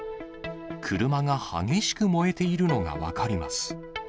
車が激しく燃えているのが分かります。